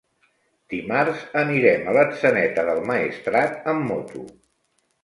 Dimarts anirem a Atzeneta del Maestrat amb moto.